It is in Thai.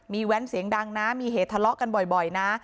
มีแว้นเสียงดังนะมีเหตุทะเลาะกันบ่อยนะ